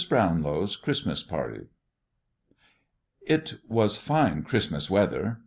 BROWNLOW'S CHRISTMAS PARTY It was fine Christmas weather.